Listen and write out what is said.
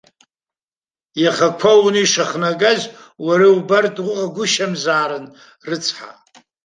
Иаха ақәа ауны ишахнагаз уара иубартә уҟагәышьамзаарын, рыцҳа.